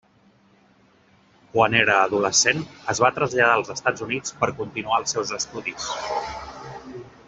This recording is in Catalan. Quan era adolescent, es va traslladar als Estats Units per continuar els seus estudis.